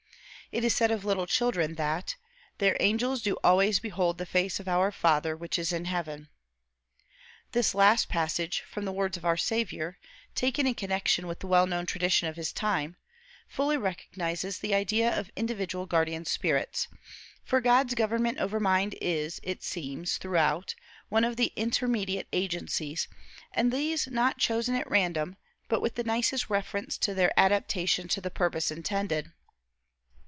It is said of little children, that "their angels do always behold the face of our Father which is in heaven." This last passage, from the words of our Saviour, taken in connection with the well known tradition of his time, fully recognizes the idea of individual guardian spirits; for God's government over mind is, it seems, throughout, one of intermediate agencies, and these not chosen at random, but with the nicest reference to their adaptation to the purpose intended.